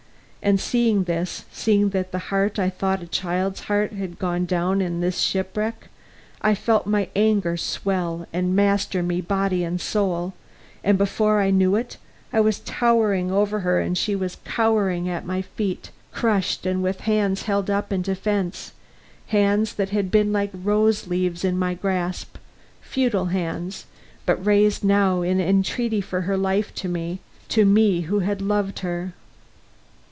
And seeing this, seeing that the heart I thought a child's heart had gone down in this shipwreck, I felt my anger swell and master me body and soul, and before I knew it, I was towering over her and she was cowering at my feet, crushed and with hands held up in defense, hands that had been like rose leaves in my grasp, futile hands, but raised now in entreaty for her life to me, to me who had loved her.